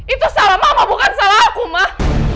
itu salah mama bukan salah aku mah